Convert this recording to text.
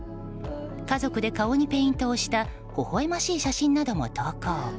家族で顔にペイントをしたほほ笑ましい写真なども投稿。